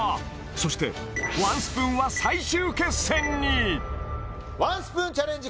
そしてワンスプーンは最終決戦にワンスプーンチャレンジ